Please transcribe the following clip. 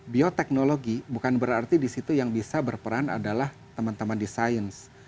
bioteknologi bukan berarti di situ yang bisa berperan adalah teman teman di sains